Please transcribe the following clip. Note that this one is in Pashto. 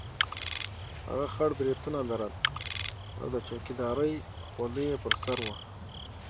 هغه خړ برېتونه لرل او د چوکیدارۍ خولۍ یې پر سر وه.